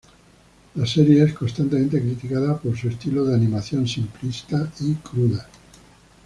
La serie es constantemente criticada por su estilo de animación simplista y cruda.